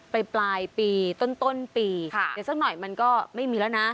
ปลายปีต้นปีเดี๋ยวสักหน่อยมันก็ไม่มีแล้วนะ